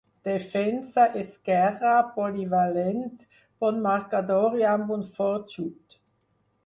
Defensa esquerre, polivalent, bon marcador i amb un fort xut.